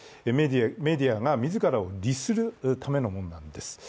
メディアが自らを律するためのものなんです。